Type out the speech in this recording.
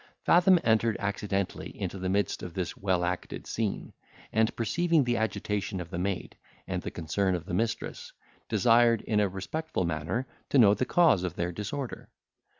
Fathom entered accidentally into the midst of this well acted scene, and, perceiving the agitation of the maid, and the concern of the mistress, desired, in a respectful manner, to know the cause of their disorder.